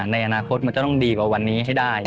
ในอนาคตมันจะต้องดีกว่าวันนี้ให้ได้